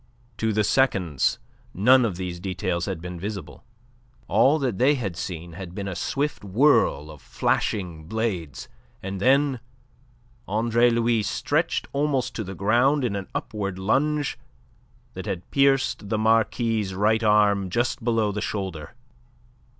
To the seconds none of these details had been visible. All that they had seen had been a swift whirl of flashing blades, and then Andre Louis stretched almost to the ground in an upward lunge that had pierced the Marquis' right arm just below the shoulder.